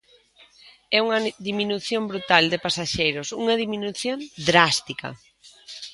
É unha diminución brutal de pasaxeiros, unha diminución drástica.